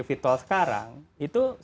virtual sekarang itu